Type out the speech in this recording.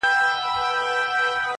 د ښار کوڅې به وي لښکر د ابوجهل نیولي-